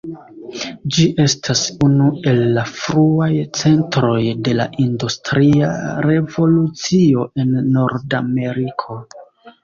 Ĝi estas unu el la fruaj centroj de la Industria Revolucio en Nordameriko.